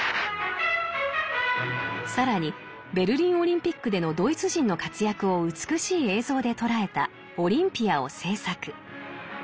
更にベルリンオリンピックでのドイツ人の活躍を美しい映像で捉えた「オリンピア」を製作。